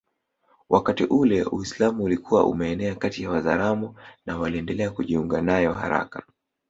wakati ule Uislamu ulikuwa umeenea kati ya Wazaramo na waliendelea kujiunga nayo haraka